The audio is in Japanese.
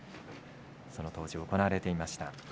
その当時、行われていました。